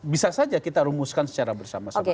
bisa saja kita rumuskan secara bersama sama